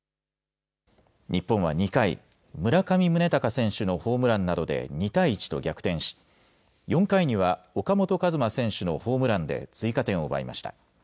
日本は２回、村上宗隆選手のホームランなどで２対１と逆転し４回には岡本和真選手のホームランで追加点を奪いました。